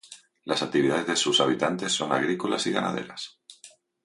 Las actividades de sus habitantes son agrícolas y ganaderas.